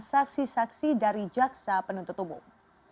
saksi saksi dari jaksa penuntut umum